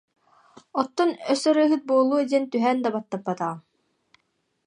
Оттон өссө ырыаһыт буолуо диэн түһээн да баттаппатаҕым